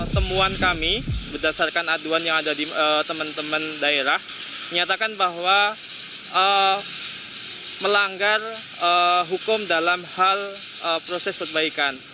temuan kami berdasarkan aduan yang ada di teman teman daerah menyatakan bahwa melanggar hukum dalam hal proses perbaikan